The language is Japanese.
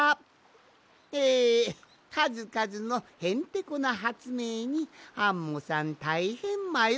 えかずかずのへんてこなはつめいにアンモさんたいへんまよいました！